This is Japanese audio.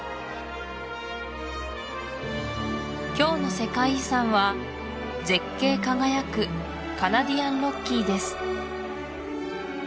今日の世界遺産は絶景輝くカナディアンロッキーです